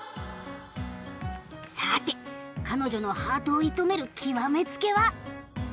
さて彼女のハートを射止める極め付けは！